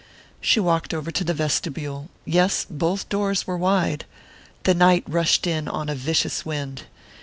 She walked over to the vestibule yes, both doors were wide. The night rushed in on a vicious wind.